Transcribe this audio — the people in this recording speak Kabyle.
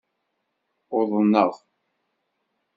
Uḍneɣ.